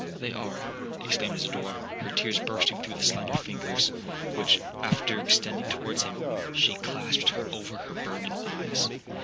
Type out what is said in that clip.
—they are!' exclaimed Isidora, her tears bursting through the slender fingers, which, after extending towards him, she clasped over her burning eyes.